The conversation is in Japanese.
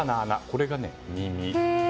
これが耳。